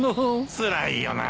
つらいよな。